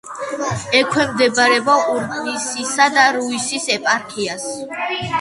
ექვემდებარება ურბნისისა და რუისის ეპარქიას.